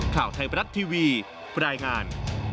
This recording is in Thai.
ข่าวไทยประดัษทีวีปรายงาน